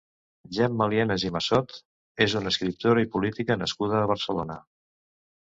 Gemma Lienas i Massot és una escriptora i politica nascuda a Barcelona.